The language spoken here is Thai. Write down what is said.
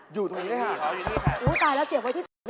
อยู่ที่ที่นี่ค่ะ